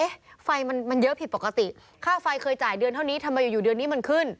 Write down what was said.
ไฟมันเยอะผิดปกติค่าไฟเคยจ่ายเดือนเท่านี้ทำไมอยู่อยู่เดือนนี้มันขึ้น